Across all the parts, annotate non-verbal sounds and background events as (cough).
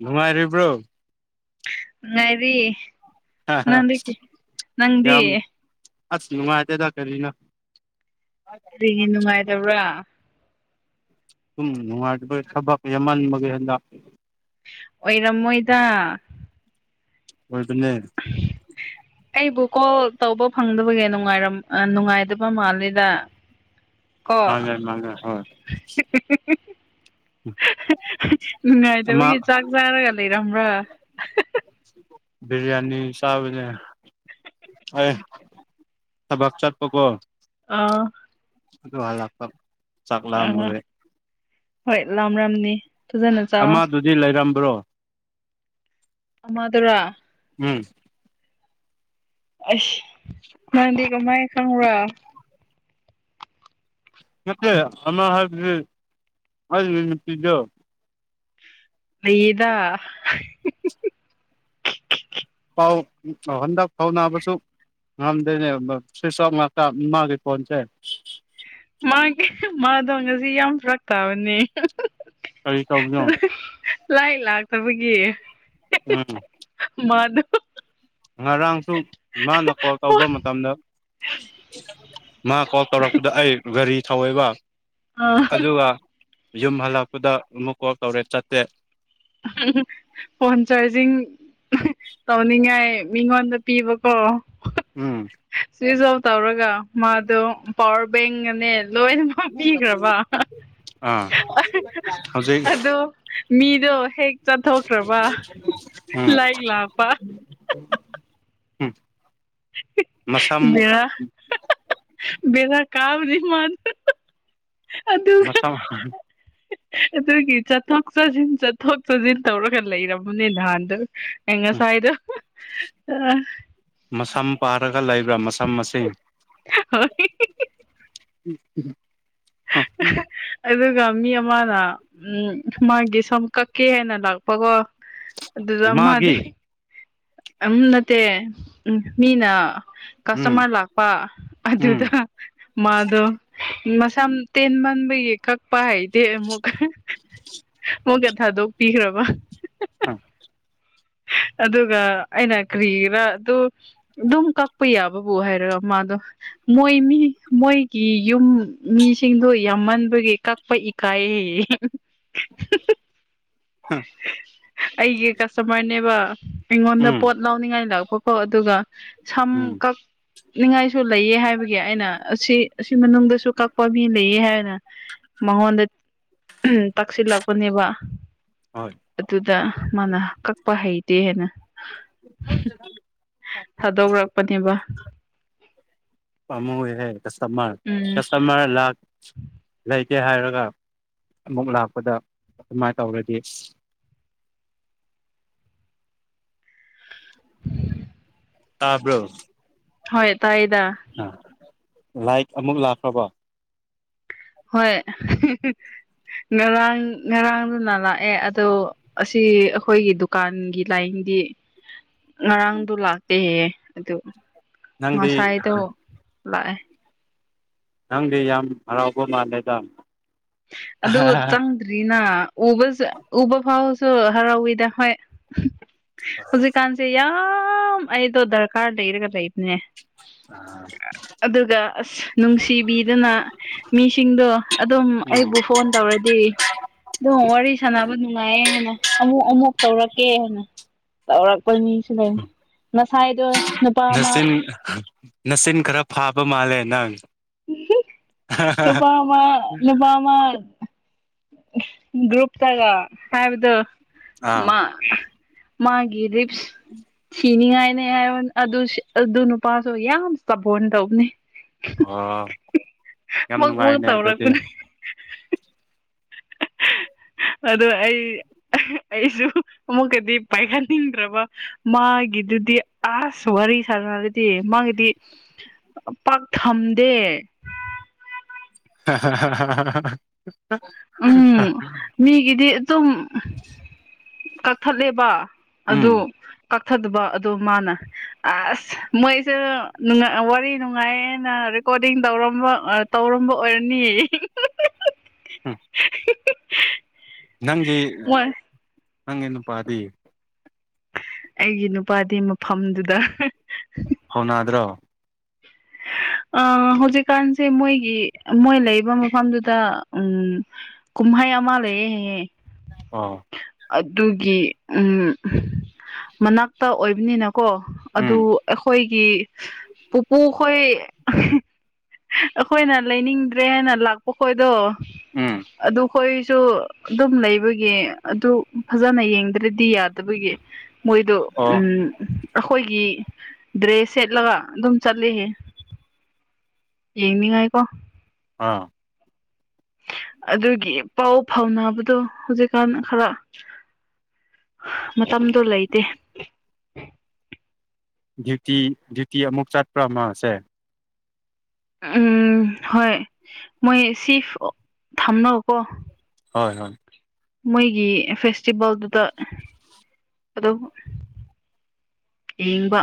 ꯅꯨꯡꯉꯥꯏꯔꯤꯕ꯭ꯔꯣ ꯉꯥꯏꯔꯤ ꯅꯪꯗꯤ ꯅꯪꯗꯤ ꯌꯥꯝ ꯑꯁ ꯅꯨꯡꯉꯥꯏꯇꯦꯗ ꯀꯔꯤꯅꯣ ꯀꯔꯤꯒꯤ ꯅꯨꯡꯉꯥꯏꯗꯕ꯭ꯔꯥ ꯑꯗꯨꯨꯝ ꯅꯨꯡꯉꯥꯏꯇꯕꯒꯤ ꯊꯕꯛ ꯌꯥꯝꯃꯟꯕꯒꯤ ꯍꯦꯟꯗꯥꯛ ꯑꯣꯏꯔꯝꯃꯣꯏꯗ ꯑꯣꯏꯕꯅꯦ ꯑꯩꯕꯨ ꯀꯣꯜ ꯇꯧꯕ ꯐꯪꯗꯕꯒꯤ ꯅꯨꯉꯥꯏꯔꯝ ꯑꯥ ꯅꯨꯡꯉꯥꯏꯗꯕ ꯃꯥꯜꯂꯤꯗ ꯃꯥꯅꯦ ꯃꯥꯅꯦ ꯍꯣꯏ (unintelligible) ꯑꯃ ꯅꯨꯡꯉꯥꯏꯇꯕꯒꯤ ꯆꯥꯛ ꯆꯥꯔꯒ ꯂꯩꯔꯝꯕ꯭ꯔꯥ ꯕꯤꯔꯌꯥꯅꯤ ꯆꯥꯕꯅꯦ ꯑꯦ ꯊꯕꯥꯛ ꯆꯠꯄ ꯀꯣ ꯑꯥ ꯑꯗꯨ ꯍꯜꯂꯥꯛꯄ ꯑꯥ ꯍꯣꯏ ꯂꯝꯔꯝꯅꯤ ꯑꯃꯗꯨꯗꯤ ꯂꯩꯔꯝꯕ꯭ꯔꯣ ꯑꯃꯗꯨꯔꯥ ꯎꯝ ꯑꯁ ꯅꯪꯗꯤ ꯀꯃꯥꯏꯅ ꯈꯪꯕ꯭ꯔꯣ ꯅꯠꯇꯦ ꯑꯃ ꯍꯥꯏꯕꯗꯤ ꯑꯧꯒꯤ ꯅꯨꯄꯤꯗꯣ ꯂꯩꯌꯦꯗ ꯄꯥꯎ ꯍꯟꯗꯛ ꯐꯥꯎ ꯅꯥꯕꯁꯨ ꯉꯝꯗꯦꯅꯦ ꯁꯋꯤꯠꯁ ꯑꯣꯞ ꯉꯥꯛꯇ ꯃꯥꯒꯤ ꯐꯣꯟꯁꯦ ꯃꯥꯒꯤ ꯃꯥꯗꯣ ꯉꯁꯤ ꯌꯥꯝ ꯐꯔꯛ ꯇꯥꯕꯅꯦ ꯀꯔꯤ ꯇꯧꯕꯅꯣ ꯂꯥꯏꯛ ꯂꯥꯛꯇꯕꯒꯤ ꯎꯝ ꯃꯥꯗꯣ ꯉꯔꯥꯡꯁꯨ ꯃꯥꯅ ꯀꯣꯜ ꯇꯧꯕ ꯃꯇꯝꯗ ꯃꯥ ꯀꯣꯜ ꯇꯧꯔꯛꯄꯗꯣ ꯑꯩ ꯒꯥꯔꯤ ꯊꯧꯋꯦꯕ ꯑꯥ ꯑꯗꯨꯒ ꯌꯨꯝ ꯍꯜꯂꯛꯄꯗ ꯑꯃꯨꯛ ꯀꯣꯜ ꯇꯧꯔꯦ ꯆꯠꯇꯦ (unintelligible) ꯐꯣꯟ ꯆꯥꯔꯖꯤꯡ ꯇꯧꯅꯤꯡꯉꯥꯏ ꯃꯤꯉꯣꯟꯗ ꯄꯤꯕꯀꯣ ꯎꯝ ꯁ꯭ꯋꯤꯁ ꯑꯣꯐ ꯇꯧꯔꯒ ꯃꯥꯗꯣ ꯄꯋꯥꯔ ꯕꯦꯡꯒꯅꯦ ꯂꯣꯏꯅꯃꯛ ꯄꯤꯈ꯭ꯔꯕ ꯑꯥ ꯍꯧꯖꯤꯛ (unintelligible) ꯑꯗꯣ ꯃꯤꯗꯣ ꯍꯦꯛ ꯆꯠꯊꯣꯛꯈ꯭ꯔꯕ ꯎꯝ ꯂꯥꯏꯛ ꯂꯥꯛꯄ ꯎꯝ ꯃꯁꯝ ꯕꯦꯔꯥ ꯕꯦꯔꯥ ꯀꯥꯕꯅꯤ ꯃꯥꯗꯤ ꯑꯗꯨ ꯅꯥꯁꯝ ꯑꯗꯨꯒꯤ ꯆꯠꯊꯣꯛ ꯆꯠꯁꯤꯟ ꯆꯠꯊꯣꯛ ꯆꯠꯁꯤꯟ ꯇꯧꯔꯒ ꯂꯩꯔꯕꯅꯦ ꯅꯍꯥꯟꯗꯨ ꯑꯩ ꯉꯁꯥꯏꯗꯣ ꯑ ꯃꯁꯝ ꯄꯥꯔꯒ ꯂꯩꯕ꯭ꯔꯥ ꯃꯁꯝ ꯃꯁꯤꯡ ꯍꯣꯏ ꯎꯝ ꯎꯝ (inaudible) ꯑꯗꯨꯒ ꯃꯤ ꯑꯃꯅ ꯎ ꯃꯥꯒꯤ ꯁꯝ ꯀꯛꯀꯦꯅ ꯂꯥꯛꯄꯀꯣ ꯑꯗꯨꯗ ꯃꯥꯗꯤ ꯃꯥꯒꯤ ꯎꯝ ꯅꯠꯇꯦ ꯃꯤꯅ ꯎꯝ ꯀꯁꯇꯃꯔ ꯂꯥꯛꯄ ꯎꯝ ꯑꯗꯨꯗ ꯃꯥꯗꯣ ꯃꯁꯝ ꯇꯦꯟ ꯃꯟꯕꯒꯤ ꯀꯛꯄ ꯍꯩ ꯇꯦ ꯑꯃꯨꯛꯀ ꯑꯃꯨꯛꯀ ꯊꯥꯗꯣꯛꯄꯤꯈ꯭ꯔꯕ ꯑ ꯑꯗꯨꯒ ꯑꯩꯅ ꯀ꯭ꯔꯤꯔꯥ ꯑꯗꯨ ꯑꯗꯨꯝ ꯀꯛꯄ ꯌꯥꯕꯕꯨ ꯍꯥꯏꯔꯒ ꯃꯥꯗꯣ ꯃꯣꯏ ꯃꯤ ꯃꯣꯏꯒꯤ ꯌꯨꯝ ꯃꯤꯁꯤꯡꯗꯨ ꯌꯥꯝꯃꯟꯕꯒꯤ ꯀꯛꯄ ꯏ ꯀꯥꯏꯌꯦ (inaudible) ꯑꯩꯒꯤ ꯀꯁꯇꯃꯔꯅꯦꯕ ꯑꯩꯉꯣꯟ ꯑꯩꯉꯣꯟꯗ ꯎꯝ ꯄꯣꯠ ꯂꯥꯎꯅꯤꯡꯉꯥꯏ ꯂꯥꯛꯄꯀꯣ ꯑꯗꯨꯒ ꯁꯝ ꯎꯝ ꯀꯛ ꯅꯤꯡꯉꯥꯏꯁꯨ ꯂꯩ ꯑꯦ ꯍꯥꯏꯕꯒꯤ ꯑꯩꯅ ꯑꯁꯤ ꯑꯁꯤ ꯃꯅꯨꯡꯗꯁꯨ ꯀꯛꯄ ꯃꯤ ꯂꯩꯌꯦ ꯍꯥꯏꯅ ꯃꯉꯣꯟꯗ ꯇꯛꯁꯤꯜꯂꯛꯄꯅꯦꯕ ꯍꯣꯏ ꯑꯗꯨꯗ ꯃꯥꯅ ꯀꯛꯄ ꯍꯩꯇꯦꯅ ꯊꯥꯗꯣꯛꯔꯛꯄꯅꯦꯕ ꯄꯃꯨꯏ ꯍꯦ ꯀꯁꯇꯃꯔ ꯎꯝ ꯀꯁꯇꯃꯔ ꯂꯥꯛ ꯂꯩꯇꯦ ꯍꯥꯏꯔꯒ ꯑꯃꯨꯛ ꯂꯥꯛꯄꯗ ꯑꯗꯨꯃꯥꯏꯅ ꯇꯧꯔꯗꯤ ꯇꯥꯕ꯭ꯔꯣ ꯍꯣꯏ ꯇꯥꯏꯗꯥ ꯑꯥ ꯂꯥꯏꯛ ꯑꯃꯨꯛ ꯂꯥꯛꯈ꯭ꯔꯕꯣ ꯍꯣꯏ ꯉꯔꯥꯡ ꯉꯔꯥꯡꯗꯨꯅ ꯂꯥꯛꯑꯦ ꯑꯗꯣ ꯑꯁꯤ ꯑꯩꯈꯣꯏꯒꯤ ꯗꯨꯀꯥꯟꯒꯤ ꯂꯥꯏꯟꯗꯤ ꯉꯔꯥꯡꯗꯣ ꯂꯥꯛꯇꯦꯍꯦꯌꯦ ꯑꯗꯨ ꯅꯪꯗꯤ ꯉꯁꯥꯏꯗꯣ ꯂꯥꯛꯑꯦ ꯅꯪꯗꯤ ꯌꯥꯝ ꯍꯔꯥꯎꯕ ꯃꯥꯜꯂꯦꯗ ꯑꯗꯨ ꯆꯪ ꯔꯤꯅꯥ ꯎꯕꯁꯨ ꯎꯕ ꯐꯥꯎꯁꯨ ꯍꯔꯥꯎꯋꯤꯗ ꯍꯣꯏ ꯍꯧꯖꯤꯛꯀꯥꯟꯁꯦ ꯌꯥꯝ ꯑꯩꯗꯣ ꯗꯔꯀꯥꯔ ꯂꯩꯔꯒ ꯂꯩꯕꯅꯦ (inaudible) ꯑꯗꯨꯒ ꯑꯁ ꯅꯨꯡꯁꯤꯕꯤꯗꯅ ꯃꯤꯁꯤꯡꯗꯣ ꯑꯗꯨꯝ ꯎꯝ ꯑꯩꯕꯨ ꯐꯣꯟ ꯇꯧꯔꯗꯤ ꯗꯣ ꯋꯥꯔꯤ ꯁꯥꯟꯅꯕ ꯅꯨꯡꯉꯥꯏꯌꯦ ꯍꯥꯏꯅ ꯑꯃꯨꯛ ꯑꯃꯨꯛ ꯇꯧꯔꯛꯀꯦ ꯍꯥꯏꯅ ꯇꯧꯔꯛꯄ ꯃꯤꯁꯨ ꯂꯩ ꯉꯁꯥꯏꯗꯣ ꯅꯨꯄꯥ ꯑꯃ ꯅꯆꯤꯟ ꯅꯆꯤꯟ ꯈꯔ ꯐꯥꯕ ꯃꯥꯜꯂꯦ ꯅꯪ ꯅꯨꯄꯥ ꯑꯃ ꯅꯨꯄꯥ ꯑꯃ ꯒ꯭ꯔꯨꯨꯞ ꯇꯒ ꯍꯥꯏꯕꯗꯣ ꯑꯥ ꯃꯥ ꯃꯥꯒꯤ ꯔꯤꯞꯁ ꯁꯤꯅꯤꯉꯥꯏꯅꯦ ꯍꯥꯏꯕꯥ ꯑꯗꯨ ꯅꯨꯄꯥꯁꯨ ꯌꯥꯝ ꯆꯥꯕꯣꯟ ꯇꯧꯕꯅꯦ ꯑꯣ ꯌꯥꯝ ꯃꯛ ꯃꯛ ꯅꯨꯡꯉꯥꯏꯅꯦ ꯑꯗꯨꯗꯤ ꯇꯧꯔꯛꯄꯅꯦ (inaudible) ꯑꯗꯣ ꯑꯩ ꯑꯩꯁꯨ ꯑꯃꯨꯛꯀꯗꯤ ꯄꯥꯏꯈꯠꯅꯤꯡꯗ꯭ꯔꯕ ꯃꯥꯒꯤꯗꯨꯗꯤ ꯑꯥꯁ ꯋꯥꯔꯤ ꯁꯥꯟꯅꯅ ꯗ ꯃꯥꯒꯤꯗꯤ ꯄꯥꯛ ꯊꯝꯗꯦ (unintelligible) ꯎꯝ ꯃꯤꯒꯤꯗꯤ ꯑꯗꯨꯝ (unintelligible) ꯀꯛꯊꯠꯂꯦꯕ ꯎꯝ ꯑꯗꯨ ꯀꯛꯊꯗꯕ ꯑꯗꯨꯗ ꯃꯥꯅ ꯑꯁ ꯃꯣꯏꯁꯨ ꯋꯥꯔꯤ ꯅꯨꯡꯉꯥꯏꯌꯦꯅ ꯔꯦꯀꯣꯔꯗꯤꯡ ꯇꯧꯔꯝꯕ ꯇꯧꯔꯝꯕ ꯑꯣꯏꯔꯅꯤ ꯎꯝ ꯅꯪꯒꯤ ꯃꯣꯏ ꯅꯪꯒꯤ ꯅꯨꯄꯥꯗꯤ ꯑꯩꯒꯤ ꯅꯨꯄꯥꯗꯤ ꯃꯐꯝꯗꯨꯗ ꯍꯧꯅꯗ꯭ꯔꯣ ꯑ ꯍꯧꯖꯤꯛꯀꯥꯟꯁꯦ ꯃꯣꯏꯒꯤ ꯃꯣꯏ ꯂꯩꯔꯤꯕ ꯃꯐꯝꯗꯨꯗ ꯎꯝ ꯀꯨꯝꯍꯩ ꯃꯥ ꯂꯩꯌ° ꯑꯣ ꯑꯗꯨꯒꯤ ꯎ ꯃꯅꯥꯛꯇ ꯑꯣꯏꯕꯅꯤꯅ ꯀꯣ ꯑꯗꯨ ꯎꯝ ꯑꯩꯈꯣꯏꯒꯤ ꯄꯨꯄꯨ ꯑꯩꯈꯣꯏ ꯑꯩꯈꯣꯏꯅ ꯂꯩꯅꯤꯡꯗ꯭ꯔꯦꯅ ꯂꯥꯛꯄ ꯈꯣꯠ ꯑꯗꯣ ꯎꯝ ꯑꯗꯨꯗ ꯑꯩꯈꯣꯏꯁꯨ ꯑꯗꯨꯝ ꯂꯩꯕꯒꯤ ꯑꯗꯨ ꯐꯖꯅ ꯌꯦꯡꯗ꯭ꯔꯗꯤ ꯌꯥꯗꯕꯒꯤ ꯃꯣꯏꯗ ꯑꯣ ꯎꯝ ꯑꯩꯈꯣꯏꯒꯤ ꯗ꯭ꯔꯦꯁ ꯁꯦꯠꯂꯒ ꯑꯗꯨꯝ ꯆꯠꯂꯤꯍꯦ ꯌꯦꯡꯅꯤꯉꯥꯏꯀꯣ ꯑꯥ ꯑꯗꯨꯒꯤ ꯄꯥꯎ ꯐꯥꯎꯅꯕꯗꯣ ꯍꯧꯖꯤꯛꯀꯥꯟ ꯈꯔ ꯃꯇꯝꯗꯣ ꯂꯩꯇꯦ ꯗ꯭ꯌꯨꯇꯤ ꯗ꯭ꯌꯨꯇꯤ ꯑꯃꯨꯛ ꯆꯠꯄ꯭ꯔꯥ ꯃꯥꯁꯦ ꯎꯝ ꯍꯣꯏ ꯃꯣꯏ ꯁꯤꯤꯐ ꯊꯝꯅ ꯀꯣ ꯍꯣꯏ ꯍꯣꯏ ꯃꯣꯏꯒꯤ ꯐꯦꯁꯇꯤꯚꯦꯜꯗꯨꯗ ꯑꯗꯨꯝ ꯏꯕ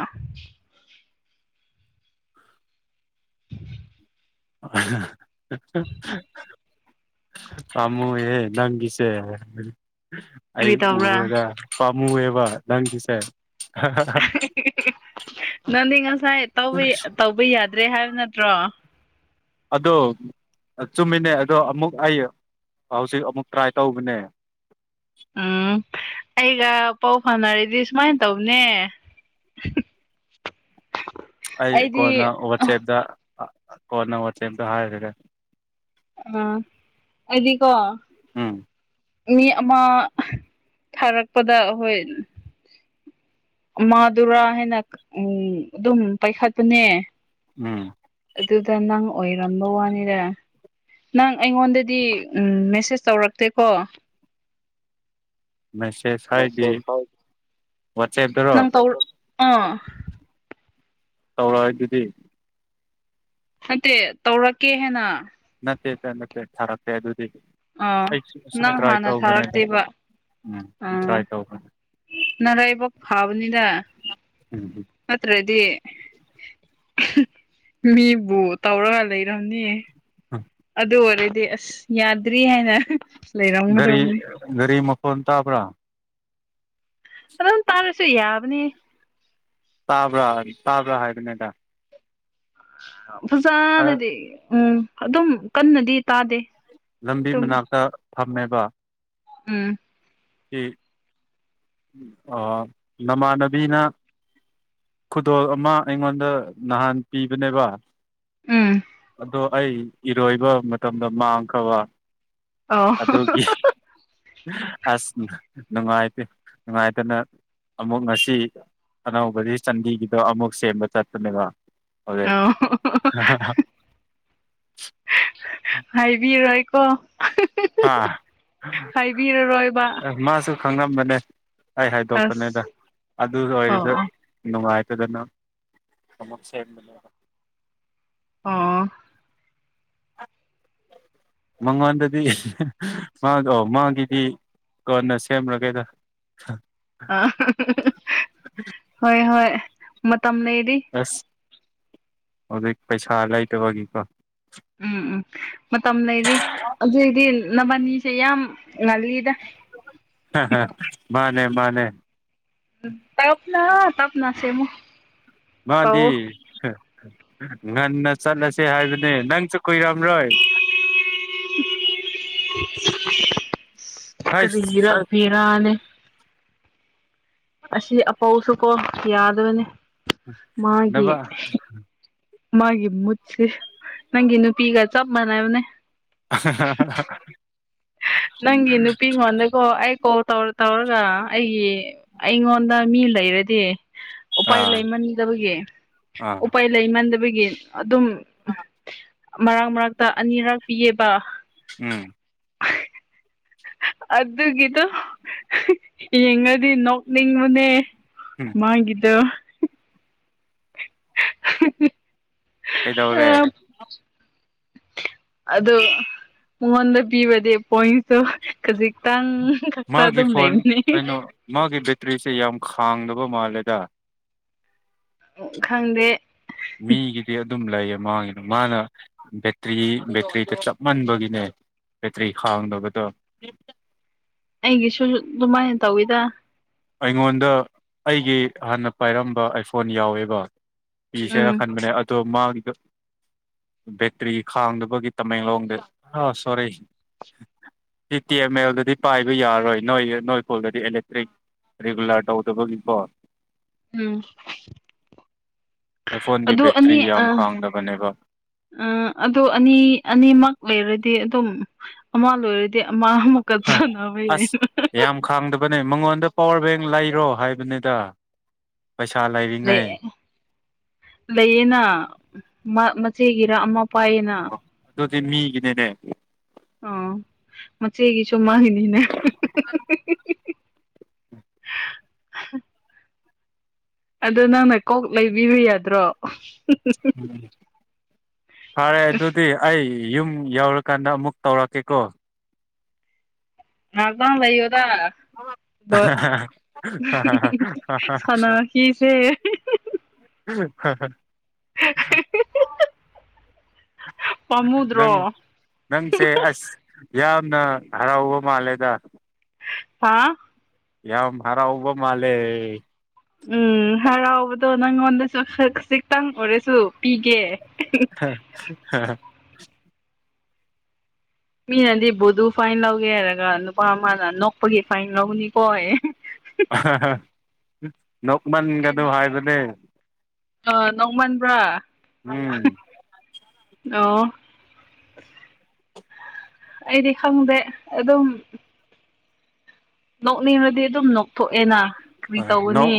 (unintelligible) ꯑꯃꯨ ꯑꯦ ꯅꯪꯒꯤꯁꯦ ꯑꯩ ꯀꯔꯤ ꯇꯧꯕ꯭ꯔꯥ ꯎꯕꯗ ꯄꯥꯝꯃꯨꯑꯦꯕ ꯅꯪꯒꯤꯁꯦ ꯅꯪꯗꯤ ꯉꯁꯥꯏ ꯇ ꯇꯧꯕ ꯌꯥꯗ꯭ꯔꯦ ꯍꯥꯏꯕ ꯅꯠꯇ꯭ꯔꯣ ꯑꯗꯣ ꯆꯨꯝꯃꯤꯅꯦ ꯑꯗꯣ ꯑꯃꯨꯛ ꯑꯩ ꯍꯧꯖꯤꯛ ꯑꯃꯨꯛ ꯇ꯭ꯔꯥꯏ ꯇꯧꯕꯅꯦ ꯎꯝ ꯑꯩꯒ ꯄꯥꯎ ꯐꯅꯔꯗꯤ ꯁꯨꯃꯥꯏꯅ ꯇꯧꯅꯦ (inaudible) ꯑꯩ ꯀꯣꯟꯅ ꯑꯩꯗꯤ ꯋꯥꯆꯦꯞꯇ ꯀꯣꯟꯅ ꯋꯥꯆꯦꯞꯇ ꯍꯥꯏꯈꯒꯦ ꯑꯥ ꯍꯥꯏꯗꯤꯀꯣ ꯑꯥ ꯃꯤ ꯑꯃ ꯊꯥꯔꯛꯄꯗ ꯑꯩꯈꯣꯏ ꯃꯥꯗꯨꯔꯥ ꯍꯥꯏꯅ ꯎ ꯑꯗꯨꯝ ꯄꯥꯏꯈꯠꯄꯅꯦ ꯎꯝ ꯑꯗꯨꯗ ꯅꯪ ꯑꯣꯏꯔꯝꯕ ꯋꯥꯅꯤꯗ ꯅꯪ ꯑꯩꯉꯣꯟꯗꯗꯤ ꯃꯦꯁꯦꯁ ꯇꯧꯔꯛꯇꯦꯀꯣ ꯃꯦꯁꯦꯖ ꯍꯥꯏꯗꯤ ꯋꯥꯆꯦꯞꯇꯔꯣ ꯅꯪ ꯇꯧ ꯑꯥ ꯇꯧꯔꯛꯏ ꯑꯗꯨꯗꯤ ꯅꯠꯇꯦ ꯇꯧꯔꯛꯀꯦ ꯍꯥꯏꯦꯅ ꯅꯠꯇꯦ ꯅꯠꯇꯦ ꯊꯔꯛ ꯇꯦ ꯑꯗꯨꯗꯤꯗꯤ ꯑꯥ ꯑꯩꯁꯨ ꯁꯨꯝ ꯅꯪ ꯇ꯭ꯔꯥꯏ ꯍꯥꯟꯅ ꯇꯧꯧꯕꯅꯤꯗ ꯊꯥꯔꯛꯇꯦꯕ ꯎꯝ ꯇ꯭ꯔꯥꯏ ꯇꯧꯒꯅꯦ ꯅꯔ ꯑꯩꯕꯣꯛ ꯐꯥꯕꯅꯤꯗ ꯎꯝ ꯅꯠꯇ꯭ꯔꯗꯤ ꯃꯤꯕꯨ ꯇꯧꯔꯒ ꯂꯩꯔꯝꯅꯤ ꯎꯝ ꯑꯗꯨ ꯑꯣꯏꯔꯗꯤ ꯑꯁ ꯌꯥꯗ꯭ꯔꯤ ꯍꯥꯏꯅ ꯒꯥꯔꯤ ꯂꯩꯔꯝꯒꯗꯕꯅꯤ ꯒꯥꯔꯤ ꯃꯈꯣꯟ ꯇꯥꯕ꯭ꯔꯥ ꯑꯗꯨꯝ ꯇꯥꯔꯁꯨ ꯍꯌꯥ ꯑꯅꯤ ꯇꯥꯕ꯭ꯔꯥ ꯇꯥꯕ꯭ꯔꯥ ꯍꯥꯏꯕꯅꯦꯗ ꯐꯖꯅꯗꯤ ꯎꯝ ꯑꯗꯨꯝ ꯀꯟꯅꯗꯤ ꯇꯥꯗꯦ ꯂꯝꯕꯤ ꯑꯗꯨꯝ ꯃꯅꯥꯛꯇ ꯐꯝꯃꯦꯕ ꯎꯝ ꯁꯤ ꯅꯃꯥꯟꯅꯕꯤꯅ ꯈꯨꯗꯣꯜ ꯑꯃ ꯑꯩꯉꯣꯟꯗ ꯅꯍꯥꯟ ꯄꯤꯕꯅꯦꯕ ꯎꯝ ꯑꯗꯣ ꯑꯩ ꯏꯔꯣꯏꯕ ꯃꯇꯝꯗ ꯃꯥꯡꯈꯕ ꯑꯧ ꯑꯗꯨꯒꯤ ꯑꯁ ꯅꯨꯡꯉꯥꯏꯇꯦ ꯅꯨꯡꯉꯥꯏꯇꯅ ꯑꯃꯨꯛ ꯉꯁꯤ ꯑꯅꯧꯕꯗꯤ ꯆꯟꯗꯤꯒꯤꯗꯣ ꯑꯃꯨꯛ ꯁꯦꯝꯕ ꯆꯠꯄꯅꯦꯕ ꯍꯧꯖꯤꯩ ꯑꯧ ꯍꯥꯏꯕꯤꯔꯣꯏꯀꯣ ꯑꯥ ꯍꯥꯏꯕꯤꯔꯔꯣꯏꯕ ꯃꯥꯁꯨ ꯈꯪꯉꯝꯕꯅꯦ ꯑꯩ ꯍꯥꯏꯗꯣꯛꯀꯅꯤꯗ ꯑꯁ ꯑꯗꯨ ꯑꯣ ꯑꯣꯏꯔꯁꯨ ꯑꯣ ꯏꯅꯨꯡꯉꯥꯏꯇꯅ ꯑꯃꯨꯛ ꯁꯦꯝꯕꯅꯦꯕꯥ ꯑꯥ ꯃꯉꯥꯟꯗꯗꯤ ꯃꯥꯗꯣ ꯃꯥꯒꯤꯗꯤ ꯀꯅ ꯁꯦꯝꯔꯥꯒꯦꯗ ꯑꯥ ꯍꯣꯏ ꯍꯣꯏ ꯃꯇꯝ ꯂꯩꯔꯤ ꯑꯁ ꯍꯧꯖꯤꯛ ꯄꯩꯁꯥ ꯂꯩꯇꯕꯒꯤꯀꯣ ꯎꯝ ꯎꯝ ꯃꯇꯝ ꯂꯩꯔꯤ ꯑꯗꯨꯏꯗꯤ ꯅꯕꯥꯅꯤꯁꯦ ꯌꯥꯝ ꯉꯜꯂꯤꯗ ꯃꯥꯅꯦ ꯃꯥꯅꯦ ꯇꯞꯅ ꯇꯞꯅꯥ ꯁꯦꯝꯃꯣ ꯃꯥꯗꯤ ꯉꯟꯅ ꯆꯠꯂꯁꯦ ꯍꯥꯏꯕꯅꯦ ꯅꯪꯁꯨ ꯀꯨꯏꯔꯝꯔꯣꯏ ꯍꯩꯁ ꯀꯔꯤꯒꯤꯔꯥ ꯐꯔꯅꯦ ꯑꯁꯤ ꯑꯄꯧꯁꯨ ꯀꯣ ꯌꯥꯗꯕꯅꯤ ꯅꯕ ꯃꯥꯒꯤ ꯃꯨꯠꯁꯦ ꯅꯪꯒꯤ ꯅꯨꯄꯤꯒ ꯆꯞ ꯃꯥꯟꯅꯕꯅꯦ (unintelligible) ꯅꯪ ꯏ ꯅꯨꯄꯤ ꯃꯗꯒꯣ ꯀꯣꯜ ꯇꯧꯔ ꯇꯧꯔꯒ ꯑꯩꯒꯤ ꯑꯩꯉꯣꯟꯗ ꯃꯤ ꯂꯩꯔꯗꯤ ꯎꯄꯥꯏ ꯑꯥ ꯂꯩꯃꯟꯗꯕꯒꯤ ꯎꯄꯥꯏ ꯂꯩꯃꯟꯗꯕꯒꯤ ꯑꯗꯨꯝ ꯑ ꯃꯔꯛ ꯃꯔꯛꯇ ꯑꯅꯤꯔꯛ ꯄꯤꯑꯕ ꯎꯝ ꯑꯗꯨꯒꯤꯗꯣ ꯌꯦꯡꯉꯗꯤ ꯅꯣꯛꯅꯤꯡꯕꯅꯦ ꯎ ꯃꯥꯒꯤꯗ (unintelligible) ꯀꯩꯗꯧꯔꯦ ꯑꯗꯨ ꯃꯉꯣꯟꯗ ꯄꯤꯕꯗꯤ ꯄꯣꯏꯟꯁꯨ ꯈꯖꯤꯛꯇꯪ ꯊꯛꯇꯗ ꯃꯥꯒꯤ ꯑꯗꯨꯝ ꯐꯣꯟ ꯂꯩꯕꯅꯦ ꯀꯩꯅꯣ ꯃꯥꯒꯤ ꯕꯦꯇ꯭ꯔꯤꯁꯦ ꯌꯥꯝ ꯈꯥꯡꯗꯕ ꯃꯥꯜꯂꯦꯗ ꯎ ꯈꯪꯗꯦ ꯃꯤꯒꯤꯗꯤ ꯑꯗꯨꯝ ꯂꯩꯌꯦ ꯃꯥꯡꯒꯤꯅ ꯃꯥꯅ ꯕꯦꯇ꯭ꯔꯤ ꯕꯦꯇ꯭ꯔꯤꯗ ꯆꯞꯃꯟꯕꯒꯤꯅꯦ ꯕꯦꯇ꯭ꯔꯤ ꯈꯥꯡꯗꯕꯗꯣ ꯑꯩꯒꯤꯁꯨ ꯑꯗꯨꯃꯥꯏꯅ ꯇꯧꯋꯤꯗ ꯑꯩꯉꯣꯟꯗ ꯑꯩꯒꯤ ꯍꯥꯟꯅ ꯄꯥꯏꯔꯝꯕ ꯑꯥꯏꯐꯣꯟ ꯌꯥꯎꯋꯦꯕ ꯄꯁꯦꯔ ꯎꯝ ꯈꯟꯕꯅꯦ ꯑꯗꯣ ꯃꯥꯒꯤꯗꯣ ꯕꯦꯇ꯭ꯔꯤ ꯈꯥꯡꯗꯕꯒꯤ ꯇꯃꯦꯡꯂꯣꯡꯗ ꯑ ꯁꯣꯔꯤ ꯁꯤ ꯇꯤ ꯑꯦꯝ ꯑꯦꯜꯗꯗꯤ ꯄꯥꯏꯕ ꯌꯥꯔꯣꯏ ꯅꯣꯏ ꯅꯣꯏꯈꯣꯜꯗꯗꯤ ꯑꯦꯂꯦꯛꯇ꯭ꯔꯤꯛ ꯔꯤꯒꯨꯂꯔ ꯇꯧꯗꯕꯒꯤꯀꯣ ꯎꯝ ꯑꯥꯏꯐꯣꯟꯗꯤ ꯑꯗꯨ ꯕꯦꯇ꯭ꯔꯤ ꯑꯅꯤ ꯑ ꯌꯥꯝ ꯈꯥꯡꯗꯕꯅꯦꯕ ꯑ ꯑꯗꯨꯣ ꯑꯅꯤ ꯑꯅꯤꯃꯛ ꯂꯩꯔꯗꯤ ꯑꯗꯨꯝ ꯑꯃ ꯂꯣꯏꯔꯗꯤ ꯃꯥꯃꯨꯀꯠꯁꯨꯅꯕꯩ ꯍꯥꯏ ꯑꯁ ꯌꯥꯝ ꯈꯥꯡꯗꯕꯅꯦ ꯃꯉꯣꯟꯗ ꯄꯋꯥꯔ ꯕꯦꯡ ꯂꯩꯔꯣ ꯍꯥꯏꯕꯅꯤꯗ ꯄꯩꯁꯥ ꯂꯩ ꯂꯩ ꯂꯩꯌꯦꯅ ꯃꯆꯦꯒꯤꯔ ꯑꯃ ꯄꯥꯏꯌꯦꯅ ꯣꯗꯤ ꯃꯤꯒꯗꯦꯅꯦ ꯑꯣ ꯃꯆꯦꯒꯤꯁꯨꯨꯝꯃꯥꯡꯒꯤꯅꯤꯅꯦ ꯑ ꯑꯗꯣ ꯅꯪꯅ ꯀꯣꯛ ꯂꯩꯕꯤꯕꯨ ꯌꯥꯗ꯭ꯔꯣ ꯎꯝ ꯐꯔꯦ ꯑꯗꯨꯗꯤꯤ ꯑꯩ ꯌꯨꯝ ꯌꯥꯎꯔꯀꯥꯟꯗ ꯑꯃꯨꯛ ꯇꯧꯔꯛꯀꯦꯀꯣ ꯉꯗ ꯂꯩ ꯑꯣꯗ ꯂ ꯁꯅ ꯍꯁꯦ ꯎꯝ ꯍ ꯍ ꯅꯪ ꯄꯥꯝꯃꯨꯗ꯭ꯔꯣ ꯅꯪꯁꯦ ꯑꯁ ꯌꯥꯝꯅ ꯍꯔꯥꯎꯕ ꯃꯥꯜꯂꯦꯗ ꯍꯥꯥ ꯌꯥꯝ ꯍꯔꯥꯎꯕ ꯃꯥꯂꯦ ꯎꯝ ꯍꯔꯥꯎꯕꯗꯣ ꯅꯪꯉꯣꯟꯗꯁꯨ ꯈꯖꯤꯛꯇꯪ ꯑꯣꯏꯔꯁꯨ ꯄꯤꯒꯦ ꯍ ꯍ ꯃꯤꯅꯗꯤ ꯕꯨꯗꯨ ꯐꯥꯏꯟ ꯂꯧꯒꯦ ꯍꯥꯏꯔꯒ ꯅꯨꯄꯥ ꯑꯃꯅ ꯅꯣꯛꯄꯒꯤ ꯐꯥꯏꯟ ꯂꯧꯅꯤꯀꯣ ꯅꯣꯛꯃꯟꯒꯗꯧ ꯍꯥꯏꯕꯅꯦ ꯑ ꯅꯣꯡꯃꯟꯕ꯭ꯔꯥ ꯎꯝ ꯑꯣ ꯑꯩꯗꯤ ꯈꯪꯗꯦ ꯑꯗꯨꯝ ꯅꯣꯛꯅꯤꯡꯕꯗꯤ ꯑꯗꯨꯝ ꯅꯣꯛꯊꯣꯛꯑꯦꯅ ꯀꯔꯤ ꯇꯧꯒꯅꯤ ꯅꯣꯡ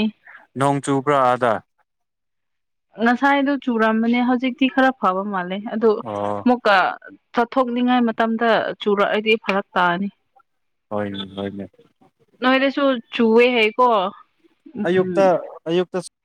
ꯅꯣꯡ ꯆꯨꯕ꯭ꯔꯥ ꯑꯗ ꯉꯁꯥꯏꯗꯨꯣ ꯆꯨꯔꯝꯕꯅꯦ ꯍꯧꯖꯤꯛꯇꯤ ꯈꯔ ꯐꯕ ꯃꯥꯜꯂꯦ ꯑꯗꯣ ꯑꯣ ꯆꯠꯊꯣꯛꯅꯤꯡꯉꯥꯏ ꯃꯇꯝꯗ ꯆꯨꯔꯛꯑꯗꯤ ꯐꯔꯛ ꯇꯥꯅꯤ ꯍꯣꯏꯅꯦ ꯍꯣꯏꯅꯦ ꯅꯣꯏꯗꯁꯨ ꯆꯨꯋꯦ ꯍꯥꯏꯦ ꯀꯣ ꯑꯌꯨꯛꯇ ꯑꯌꯨꯛꯇ